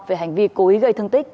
về hành vi cố ý gây thương tích